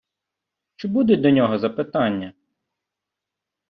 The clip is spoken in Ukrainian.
Чи будуть до нього запитання?